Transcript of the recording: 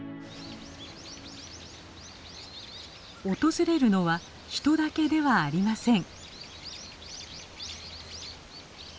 訪れるのは人だけではありません。